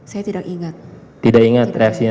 saya tidak ingat tidak ingat reaksinya